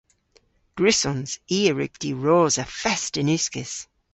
Gwrussons. I a wrug diwrosa fest yn uskis.